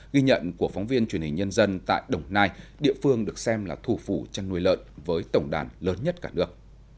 ghi nhận của phóng viên truyền hình nhân dân tại đồng nai địa phương được xem là thủ phủ chăn nuôi lợn với tổng đàn lớn nhất cả nước